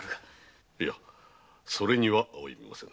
いやそれには及びませぬ。